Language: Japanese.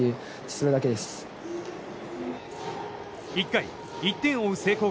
１回、１点を追う聖光